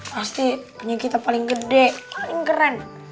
pasti punya kita paling gede paling keren